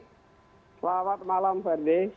selamat malam ferdie